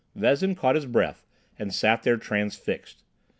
Vezin caught his breath and sat there transfixed.